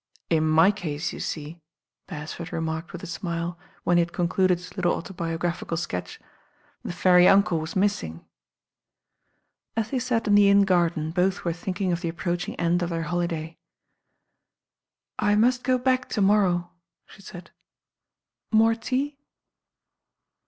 "In my case, you see," Beresford remarked with a smile, when he had concluded his little autobio graphical sketch, "the fairy uncle was. missing." As they sat in the inn garden, both were thinking of the approaching end of their holiday. *1 must go back to morrow," she said. "More tea?"